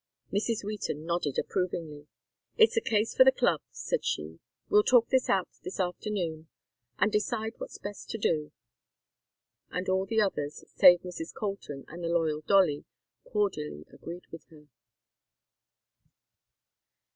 Mrs. Wheaton nodded approvingly. "It's a case for the Club," said she. "We'll talk it out this afternoon and decide what's best to do." And all the others, save Mrs. Colton and the loyal Dolly, cordially agreed with her.